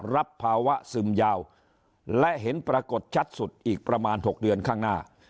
รับภาวะซึมยาวและเห็นปรากฏชัดสุดอีกประมาณ๖เดือนข้างหน้า